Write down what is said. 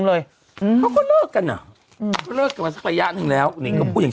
เลยอืมเขาก็เลิกกันอ่ะอืมเขาเลิกกันมาสักระยะหนึ่งแล้วนิงก็พูดอย่าง